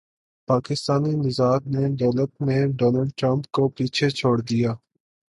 پاکستانی نژاد نے دولت میں ڈونلڈ ٹرمپ کو پیچھے چھوڑ دیا